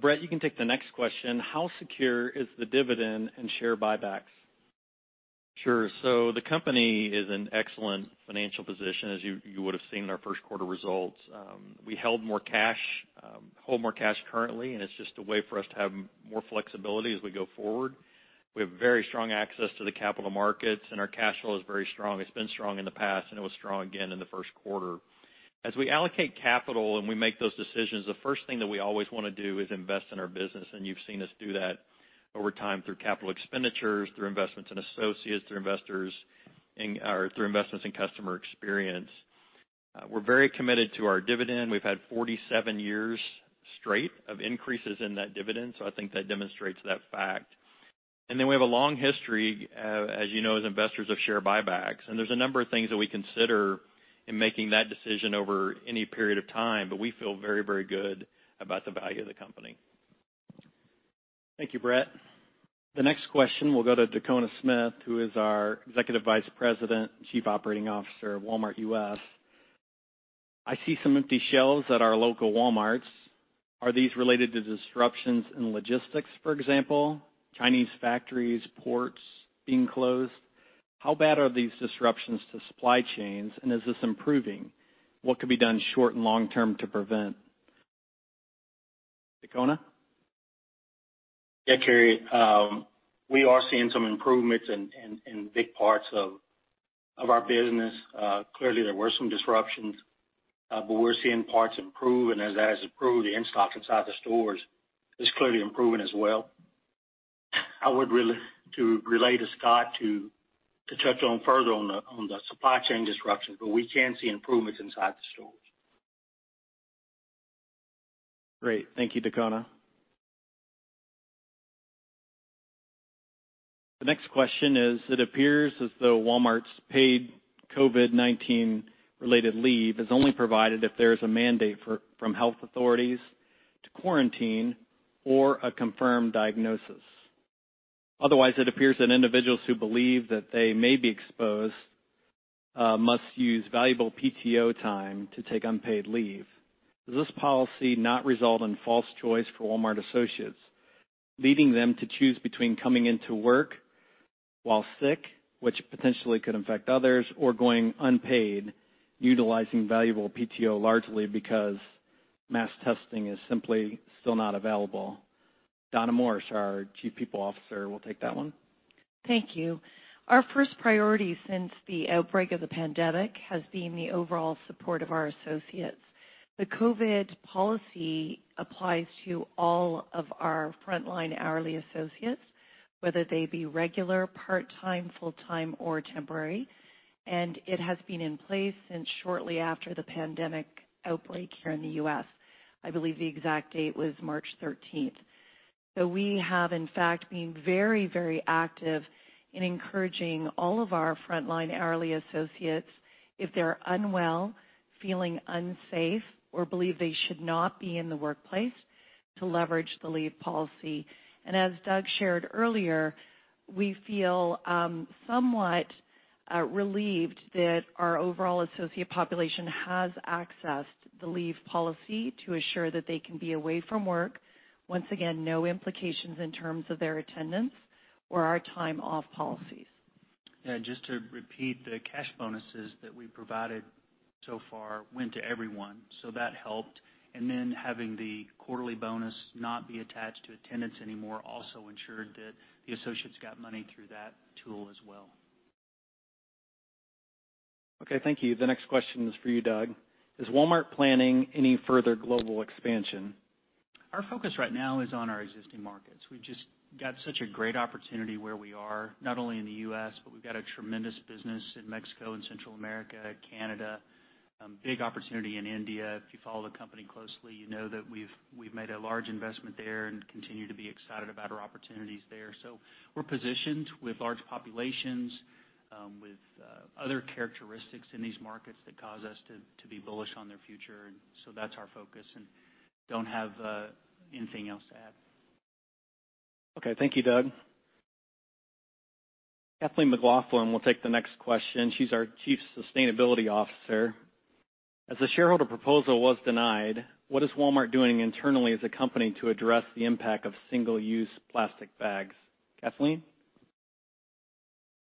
Brett, you can take the next question. How secure is the dividend and share buybacks? Sure. The company is in excellent financial position, as you would've seen in our first quarter results. We held more cash, hold more cash currently, and it's just a way for us to have more flexibility as we go forward. We have very strong access to the capital markets, and our cash flow is very strong. It's been strong in the past, and it was strong again in the first quarter. As we allocate capital and we make those decisions, the first thing that we always want to do is invest in our business, and you've seen us do that over time through capital expenditures, through investments in associates, through investors, or through investments in customer experience. We're very committed to our dividend. We've had 47 years straight of increases in that dividend, so I think that demonstrates that fact. We have a long history, as you know, as investors of share buybacks. There's a number of things that we consider In making that decision over any period of time, but we feel very, very good about the value of the company. Thank you, Brett. The next question will go to Dacona Smith, who is our Executive Vice President and Chief Operating Officer of Walmart U.S. I see some empty shelves at our local Walmarts. Are these related to disruptions in logistics, for example, Chinese factories, ports being closed? How bad are these disruptions to supply chains, and is this improving? What could be done short and long term to prevent? Dacona? Yeah, Carrie. We are seeing some improvements in big parts of our business. Clearly, there were some disruptions, but we're seeing parts improve, and as that has improved, the in-stock inside the stores is clearly improving as well. I would relate to Scott to touch on further on the supply chain disruptions, but we can see improvements inside the stores. Great. Thank you, Dacona. The next question is, it appears as though Walmart's paid COVID-19 related leave is only provided if there is a mandate from health authorities to quarantine or a confirmed diagnosis. Otherwise, it appears that individuals who believe that they may be exposed must use valuable PTO time to take unpaid leave. Does this policy not result in false choice for Walmart associates, leading them to choose between coming into work while sick, which potentially could infect others or going unpaid, utilizing valuable PTO largely because mass testing is simply still not available? Donna Morris, our Chief People Officer, will take that one. Thank you. Our first priority since the outbreak of the pandemic has been the overall support of our associates. The COVID policy applies to all of our frontline hourly associates, whether they be regular, part-time, full-time, or temporary. It has been in place since shortly after the pandemic outbreak here in the U.S. I believe the exact date was March 13th. We have, in fact, been very, very active in encouraging all of our frontline hourly associates, if they're unwell, feeling unsafe, or believe they should not be in the workplace, to leverage the leave policy. As Doug shared earlier, we feel somewhat relieved that our overall associate population has accessed the leave policy to assure that they can be away from work. Once again, no implications in terms of their attendance or our time off policies. Yeah, just to repeat, the cash bonuses that we provided so far went to everyone, so that helped. Having the quarterly bonus not be attached to attendance anymore also ensured that the associates got money through that tool as well. Okay. Thank you. The next question is for you, Doug. Is Walmart planning any further global expansion? Our focus right now is on our existing markets. We've just got such a great opportunity where we are, not only in the U.S., but we've got a tremendous business in Mexico and Central America, Canada. Big opportunity in India. If you follow the company closely, you know that we've made a large investment there and continue to be excited about our opportunities there. We're positioned with large populations, with other characteristics in these markets that cause us to be bullish on their future. That's our focus, and don't have anything else to add. Okay. Thank you, Doug. Kathleen McLaughlin will take the next question. She's our Chief Sustainability Officer. As the shareholder proposal was denied, what is Walmart doing internally as a company to address the impact of single-use plastic bags? Kathleen?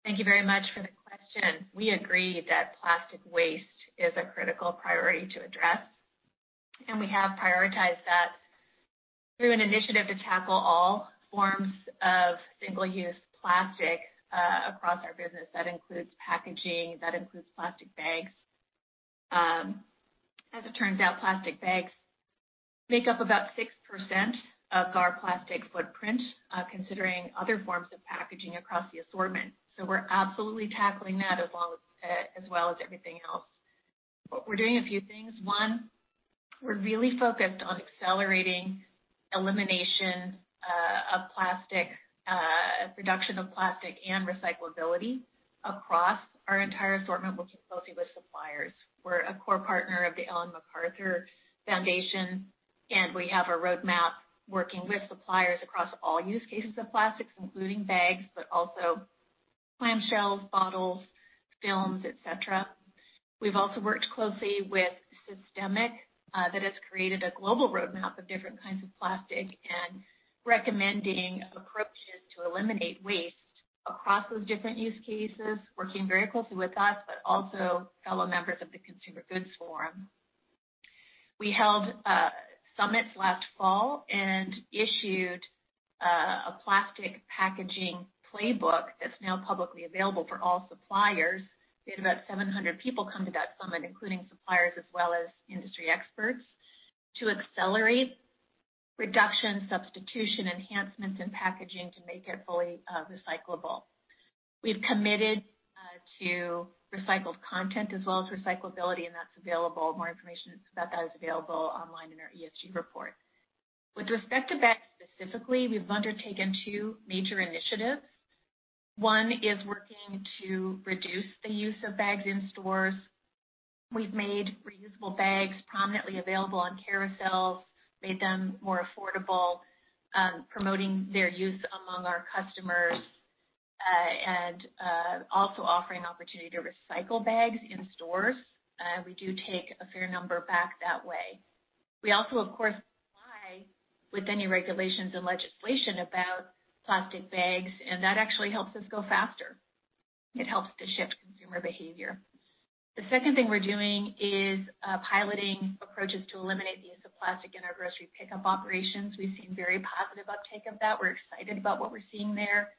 Thank you very much for the question. We agree that plastic waste is a critical priority to address, and we have prioritized that through an initiative to tackle all forms of single-use plastic across our business. That includes packaging, that includes plastic bags. As it turns out, plastic bags make up about 6% of our plastic footprint, considering other forms of packaging across the assortment. We're absolutely tackling that as well as everything else. We're doing a few things. One, we're really focused on accelerating elimination of plastic, reduction of plastic, and recyclability across our entire assortment, working closely with suppliers. We're a core partner of the Ellen MacArthur Foundation, and we have a roadmap working with suppliers across all use cases of plastics, including bags, but also clamshells, bottles, films, et cetera. We've also worked closely with SYSTEMIQ, that has created a global roadmap of different kinds of plastic and recommending approaches to eliminate waste across those different use cases, working very closely with us, but also fellow members of The Consumer Goods Forum. We held summits last fall and issued a plastic packaging playbook that's now publicly available for all suppliers. We had about 700 people come to that summit, including suppliers as well as industry experts, to accelerate reduction, substitution, enhancements in packaging to make it fully recyclable. We've committed to recycled content as well as recyclability, and that's available. More information about that is available online in our ESG report. With respect to bags specifically, we've undertaken two major initiatives. One is working to reduce the use of bags in stores. We've made reusable bags prominently available on carousels, made them more affordable, promoting their use among our customers, and also offering opportunity to recycle bags in stores. We do take a fair number back that way. We also, of course, comply with any regulations and legislation about plastic bags, and that actually helps us go faster. It helps to shift consumer behavior. The second thing we're doing is piloting approaches to eliminate the use of plastic in our grocery pickup operations. We've seen very positive uptake of that. We're excited about what we're seeing there.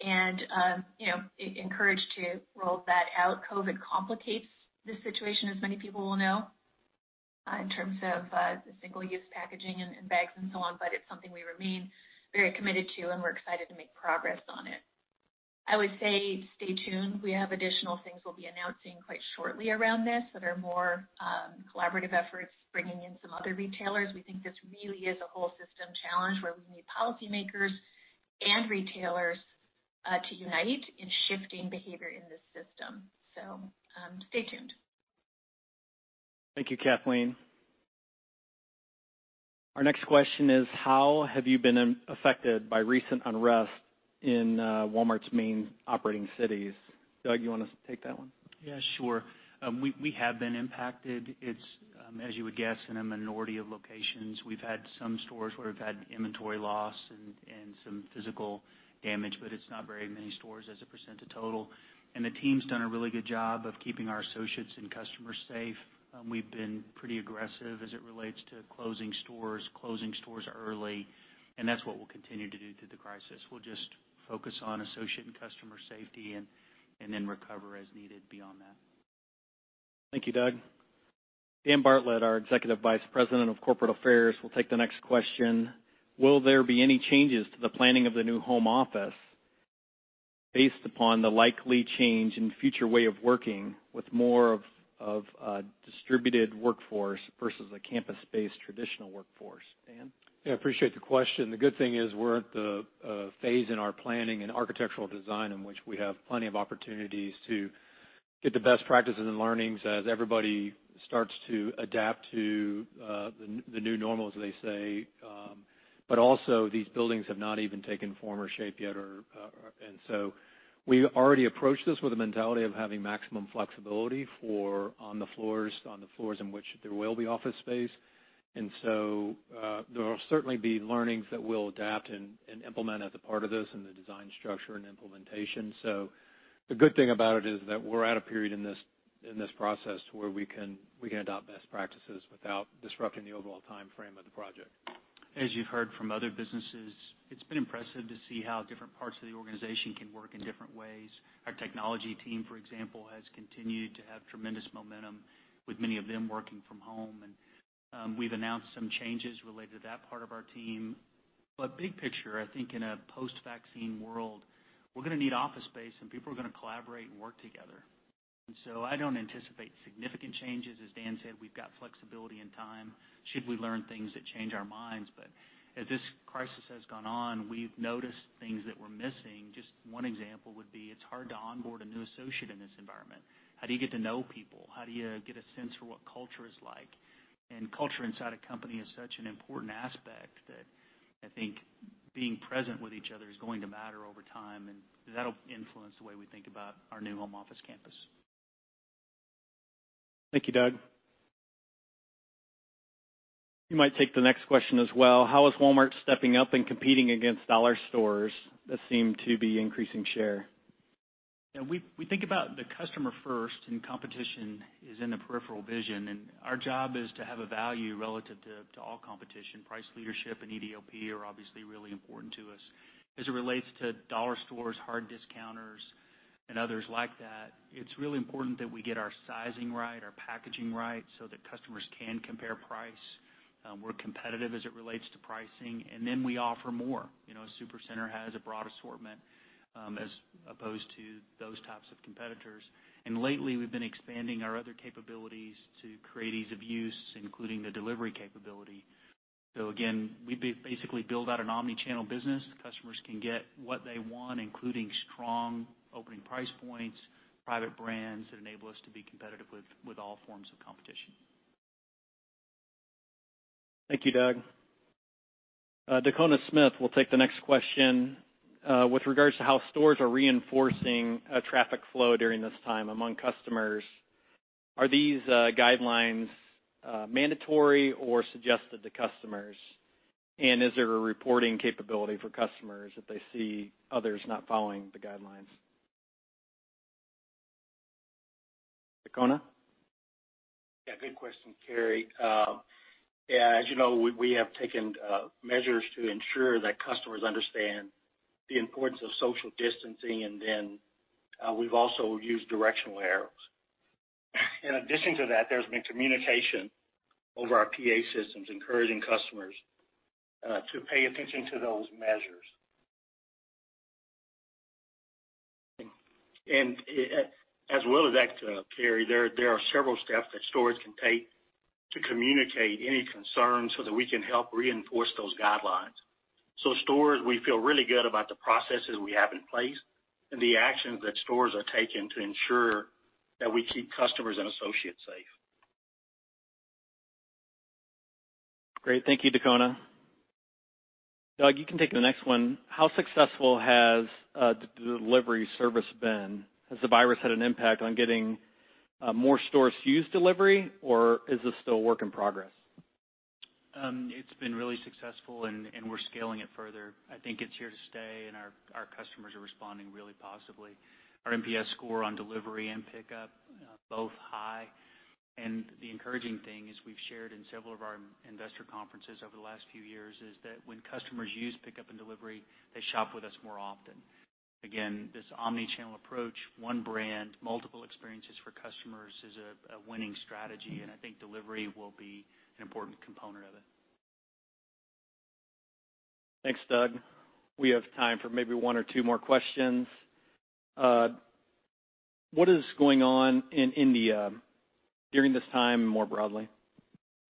Encouraged to roll that out. COVID complicates the situation, as many people will know, in terms of the single-use packaging and bags and so on, but it's something we remain very committed to, and we're excited to make progress on it. I would say stay tuned. We have additional things we'll be announcing quite shortly around this that are more collaborative efforts, bringing in some other retailers. We think this really is a whole system challenge where we need policymakers and retailers to unite in shifting behavior in this system. Stay tuned. Thank you, Kathleen. Our next question is: how have you been affected by recent unrest in Walmart's main operating cities? Doug, you want to take that one? Yeah, sure. We have been impacted. It's, as you would guess, in a minority of locations. We've had some stores where we've had inventory loss and some physical damage, but it's not very many stores as a percent of total. The team's done a really good job of keeping our associates and customers safe. We've been pretty aggressive as it relates to closing stores early, and that's what we'll continue to do through the crisis. We'll just focus on associate and customer safety and then recover as needed beyond that. Thank you, Doug. Dan Bartlett, our Executive Vice President of Corporate Affairs, will take the next question. Will there be any changes to the planning of the new home office based upon the likely change in future way of working with more of a distributed workforce versus a campus-based traditional workforce? Dan? Yeah, appreciate the question. The good thing is we're at the phase in our planning and architectural design in which we have plenty of opportunities to get the best practices and learnings as everybody starts to adapt to the new normal, as they say. These buildings have not even taken form or shape yet. We've already approached this with a mentality of having maximum flexibility for on the floors in which there will be office space. There will certainly be learnings that we'll adapt and implement as a part of this in the design structure and implementation. The good thing about it is that we're at a period in this process where we can adopt best practices without disrupting the overall timeframe of the project. As you've heard from other businesses, it's been impressive to see how different parts of the organization can work in different ways. Our technology team, for example, has continued to have tremendous momentum with many of them working from home. We've announced some changes related to that part of our team. Big picture, I think in a post-vaccine world, we're going to need office space, and people are going to collaborate and work together. I don't anticipate significant changes. As Dan said, we've got flexibility and time should we learn things that change our minds. As this crisis has gone on, we've noticed things that we're missing. Just one example would be, it's hard to onboard a new associate in this environment. How do you get to know people? How do you get a sense for what culture is like? Culture inside a company is such an important aspect that I think being present with each other is going to matter over time, and that'll influence the way we think about our new home office campus. Thank you, Doug. You might take the next question as well. How is Walmart stepping up and competing against dollar stores that seem to be increasing share? We think about the customer first, and competition is in the peripheral vision, and our job is to have a value relative to all competition. Price leadership and EDLP are obviously really important to us. As it relates to dollar stores, hard discounters, and others like that, it's really important that we get our sizing right, our packaging right, so that customers can compare price. We're competitive as it relates to pricing, then we offer more. A Supercenter has a broad assortment, as opposed to those types of competitors. Lately, we've been expanding our other capabilities to create ease of use, including the delivery capability. Again, we basically build out an omni-channel business. Customers can get what they want, including strong opening price points, private brands that enable us to be competitive with all forms of competition. Thank you, Doug. Dacona Smith will take the next question. With regards to how stores are reinforcing traffic flow during this time among customers, are these guidelines mandatory or suggested to customers? Is there a reporting capability for customers if they see others not following the guidelines? Dacona? Good question, Kary. As you know, we have taken measures to ensure that customers understand the importance of social distancing, and then we've also used directional arrows. In addition to that, there's been communication over our PA systems encouraging customers to pay attention to those measures. As well as that, Kary, there are several steps that stores can take To communicate any concerns so that we can help reinforce those guidelines. Stores, we feel really good about the processes we have in place and the actions that stores are taking to ensure that we keep customers and associates safe. Great. Thank you, Dacona. Doug, you can take the next one. How successful has the delivery service been? Has the virus had an impact on getting more stores use delivery, or is this still a work in progress? It's been really successful, and we're scaling it further. I think it's here to stay, and our customers are responding really positively. Our NPS score on delivery and pickup, both high. The encouraging thing is we've shared in several of our investor conferences over the last few years, is that when customers use pickup and delivery, they shop with us more often. Again, this omni-channel approach, one brand, multiple experiences for customers is a winning strategy, and I think delivery will be an important component of it. Thanks, Doug. We have time for maybe one or two more questions. What is going on in India during this time, more broadly?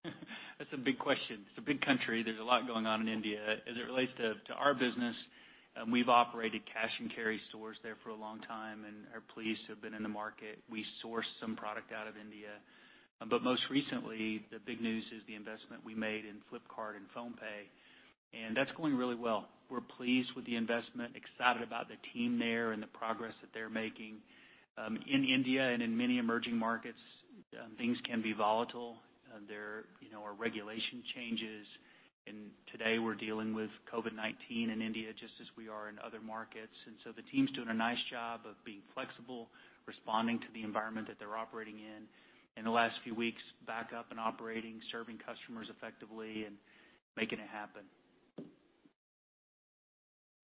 That's a big question. It's a big country. There's a lot going on in India. As it relates to our business, we've operated cash and carry stores there for a long time and are pleased to have been in the market. We source some product out of India. Most recently, the big news is the investment we made in Flipkart and PhonePe, and that's going really well. We're pleased with the investment, excited about the team there and the progress that they're making. In India and in many emerging markets, things can be volatile. There are regulation changes, and today we're dealing with COVID-19 in India just as we are in other markets. The team's doing a nice job of being flexible, responding to the environment that they're operating in. In the last few weeks, back up and operating, serving customers effectively and making it happen.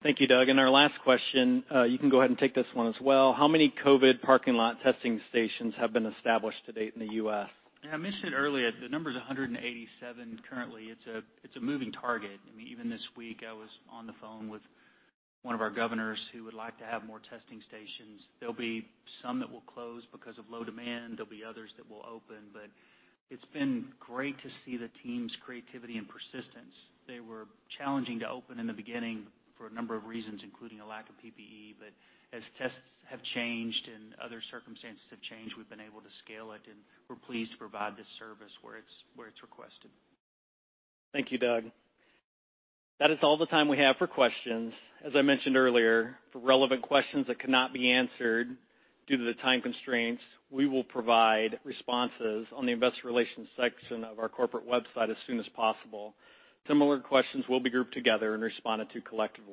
Thank you, Doug. Our last question, you can go ahead and take this one as well. How many COVID-19 parking lot testing stations have been established to date in the U.S.? Yeah, I mentioned earlier, the number is 187 currently. It's a moving target. Even this week, I was on the phone with one of our governors who would like to have more testing stations. There'll be some that will close because of low demand. There'll be others that will open. It's been great to see the team's creativity and persistence. They were challenging to open in the beginning for a number of reasons, including a lack of PPE. As tests have changed and other circumstances have changed, we've been able to scale it, and we're pleased to provide this service where it's requested. Thank you, Doug. That is all the time we have for questions. As I mentioned earlier, for relevant questions that cannot be answered due to the time constraints, we will provide responses on the investor relations section of our corporate website as soon as possible. Similar questions will be grouped together and responded to collectively.